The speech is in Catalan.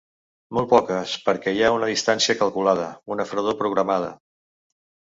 Molt poques, perquè hi ha una distància calculada, una fredor programada.